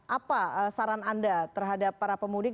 apa saran anda terhadap para pemudik